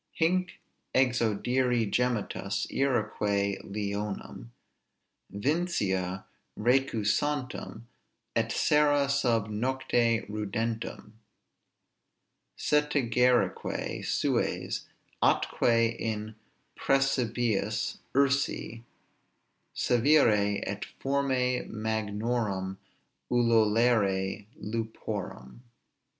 Hinc exaudiri gemitus, iræque leonum Vincia recusantum, et sera sub nocte rudentum; Setigerique sues, atque in præsepibus ursi Sævire; et formæ magnorum ululare luporam.